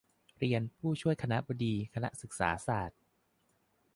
เรียน ผู้ช่วยคณบดีคณะศึกษาศาสตร์